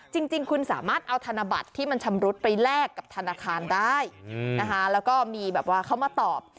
จริงคุณสามารถเอาธนบัตรที่มันชำรุดไปแลกกับธนาคารได้นะคะแล้วก็มีแบบว่าเขามาตอบ